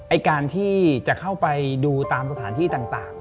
การที่จะเข้าไปดูตามสถานที่ต่าง